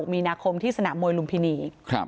มีนาคมที่สนามมวยลุมพินี